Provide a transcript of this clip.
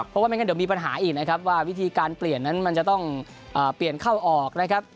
เพราะว่าไม่งั้นเดี๋ยวมีปัญหาอีกนะครับว่าวิธีการเปลี่ยนนั้นมันจะต้องเปลี่ยนเข้าออกนะครับ